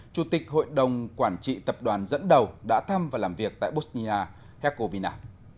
chủ tịch hội đồng quản trị tập đoàn dẫn đầu đã thăm và làm việc tại bosnia hezovina